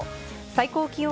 最高気温